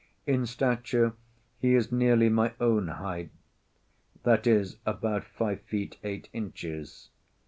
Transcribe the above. In stature he is nearly my own height; that is, about five feet eight inches.